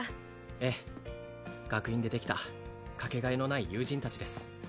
ええ学院でできたかけがえのない友人達です